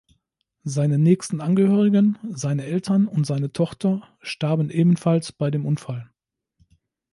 Seine nächsten Angehörigen, seine Eltern und seine Tochter, starben ebenfalls bei dem Unfall.